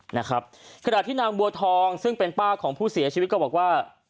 นะครับขณะที่นางบัวทองซึ่งเป็นป้าของผู้เสียชีวิตก็บอกว่า